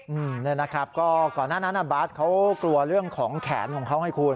อืมเนี่ยนะครับก็ก่อนหน้านั้นอ่ะบาสเขากลัวเรื่องของแขนของเขาไงคุณ